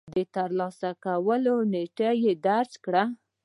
د ترلاسه کولو نېټه يې درج کړئ.